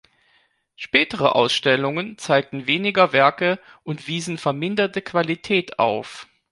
Spätere Ausstellungen zeigten weniger Werke und wiesen verminderte Qualität auf.